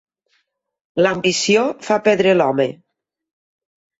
L'ambició fa perdre l'home.